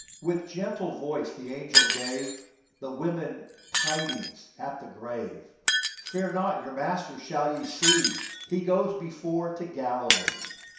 With gentle voice the angel gave The women tidings at the grave, —" Fear not, your Master shall ye see : He goes before to Galilee."